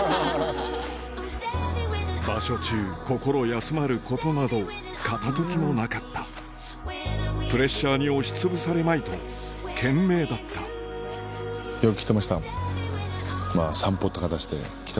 場所中心休まることなど片時もなかったプレッシャーに押しつぶされまいと懸命だったここに。